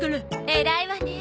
偉いわね。